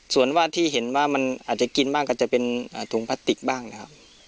ส่วนว่าที่เห็นว่ามันอาจจะกินบ้างก็จะเป็นถุงพลาสติกบ้างนะครับ